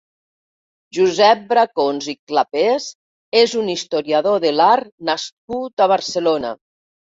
Josep Bracons i Clapés és un historiador de l'art nascut a Barcelona.